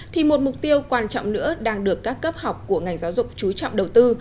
thì một mục tiêu quan trọng nữa đang được các cấp học của ngành giáo dục trú trọng đầu tư